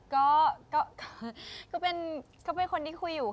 ก็เป็นคนที่คุยอยู่ค่ะ